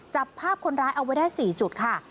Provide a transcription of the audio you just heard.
จับภาพคนร้ายเอาไว้ได้๔จุดค่ะ